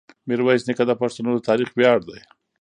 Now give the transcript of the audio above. میرویس نیکه د پښتنو د تاریخ ویاړ دی.